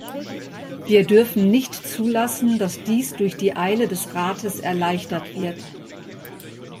Wir dürfen nicht zulassen, dass dies durch die Eile des Rates erleichtert wird.